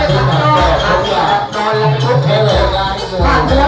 นิมอลแขนสุดยอดสนุกของรักษาจริง